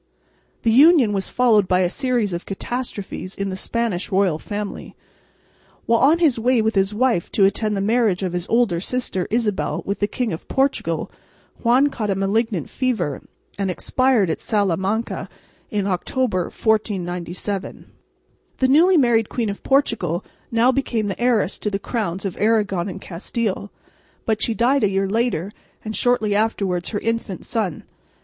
The union was followed by a series of catastrophes in the Spanish royal family. While on his way with his wife to attend the marriage of his older sister Isabel with the King of Portugal, Juan caught a malignant fever and expired at Salamanca in October, 1497. The newly married Queen of Portugal now became the heiress to the crowns of Aragon and Castile, but she died a year later and shortly afterwards her infant son.